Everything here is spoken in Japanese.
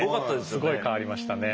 すごい変わりましたね。